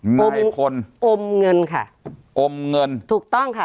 นายพลอมเงินค่ะอมเงินถูกต้องค่ะ